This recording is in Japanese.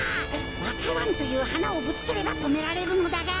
わか蘭というはなをぶつければとめられるのだが。